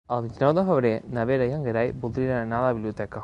El vint-i-nou de febrer na Vera i en Gerai voldria anar a la biblioteca.